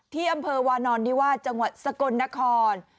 ที่อำเภอวานอนนิวาสจังหวัดสกลนคร